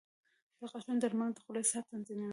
• د غاښونو درملنه د خولې صحت تضمینوي.